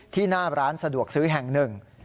หน้าร้านสะดวกซื้อแห่งหนึ่ง